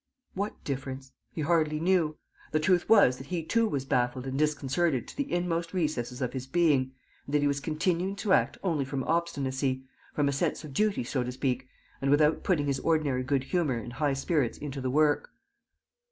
What difference? He hardly knew. The truth was that he too was baffled and disconcerted to the inmost recesses of his being and that he was continuing to act only from obstinacy, from a sense of duty, so to speak, and without putting his ordinary good humour and high spirits into the work.